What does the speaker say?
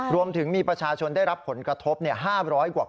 รวมถึงมีประชาชนได้รับผลกระทบ๕๐๐กว่าคน